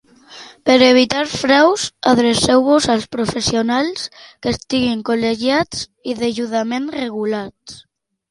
Per evitar fraus, adreceu-vos als professionals que estiguin col·legiats i degudament regulats.